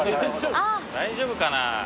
大丈夫かな？